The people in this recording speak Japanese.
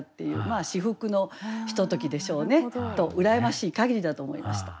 まあ至福のひとときでしょうね。と羨ましい限りだと思いました。